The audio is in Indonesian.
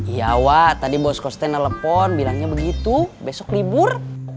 iya wak tadi boskosten telepon bilangnya begitu besok libur